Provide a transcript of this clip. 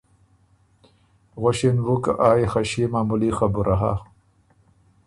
غؤݭِن بُو که آ يې خه ݭيې معمولي خبُره هۀ۔